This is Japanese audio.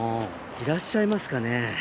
いらっしゃいますかね？